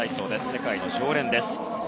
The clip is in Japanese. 世界の常連です。